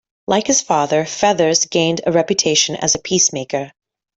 Like his father, Feathers gained a reputation as a peacemaker.